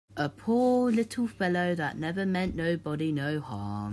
A poor little fellow that never meant nobody no harm!